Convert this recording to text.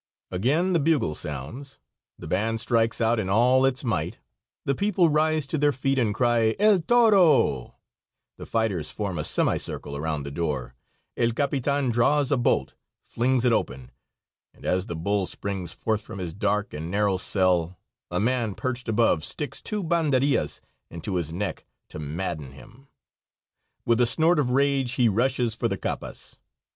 Again the bugle sounds, the band strikes out in all its might, the people rise to their feet and cry "El toro," the fighters form a semicircle around a door, el capitan draws a bolt, flings it open, and as the bull springs forth from his dark and narrow cell a man perched above sticks two banderillas into his neck to madden him. With a snort of rage he rushes for the _capas.